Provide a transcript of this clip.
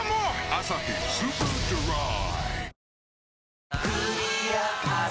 「アサヒスーパードライ」